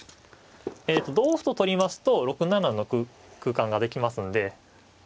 同歩と取りますと６七の空間ができますんで。